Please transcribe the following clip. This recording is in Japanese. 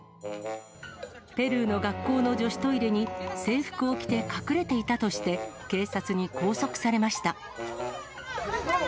ペルーの学校の女子トイレに制服を着て隠れていたとして、警察に拘束されました。